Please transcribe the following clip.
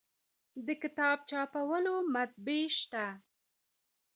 د کتاب چاپولو مطبعې شته